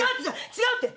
違うって！